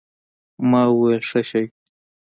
ما وويل ښه شى.